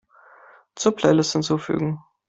Zur Playlist hinzufügen.